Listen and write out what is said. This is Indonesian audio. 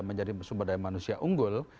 menjadi sumber daya manusia unggul